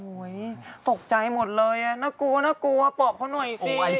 โอ้ยตกใจหมดเลยน่ากลัวปลอบเค้าหน่อยสิ